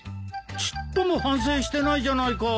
ちっとも反省してないじゃないか。